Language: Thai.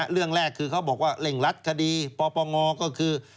เรื่องแรกคือเขาบอกว่าเร่งรัดคดีปปงก็คือ